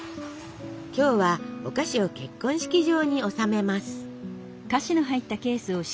今日はお菓子を結婚式場に納めます。